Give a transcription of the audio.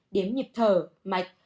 điểm nhịp thở mạch